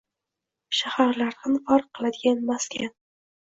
shaharlardan farq qiladigan maskan.